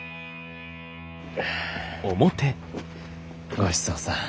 ごちそうさん。